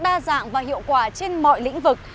đa dạng và hiệu quả trên mọi lĩnh vực